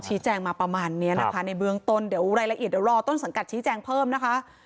แจ้งมาประมาณนี้นะคะในเบื้องต้นเดี๋ยวรายละเอียดเดี๋ยวรอต้นสังกัดชี้แจงเพิ่มนะคะ